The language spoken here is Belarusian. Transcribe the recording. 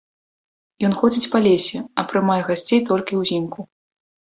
Ён ходзіць па лесе, а прымае гасцей толькі ўзімку.